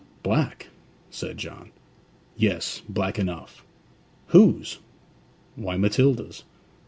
'Black!' said John. 'Yes black enough.' 'Whose?' 'Why, Matilda's.'